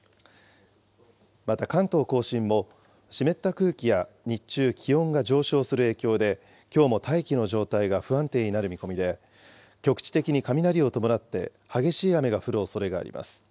また関東甲信も湿った空気や日中、気温が上昇する影響で、きょうも大気の状態が不安定になる見込みで、局地的に雷を伴って激しい雨が降るおそれがあります。